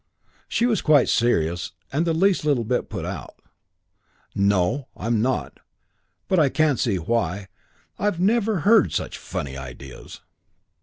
She was quite serious and the least little bit put out. "No I'm not. But I can't see why. I've never heard such funny ideas."